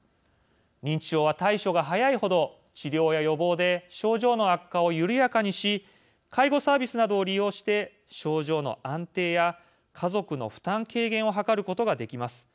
認知症は対処が早いほど治療や予防で症状の悪化を緩やかにし介護サービスなどを利用して症状の安定や家族の負担軽減を図ることができます。